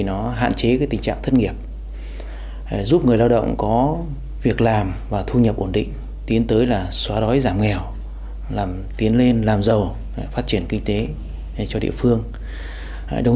doanh nghiệp và người lao động có cơ hội gặp gỡ trao đổi thông tin để hai bên hiểu rõ nhau hơn